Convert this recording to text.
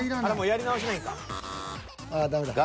やり直しないんか。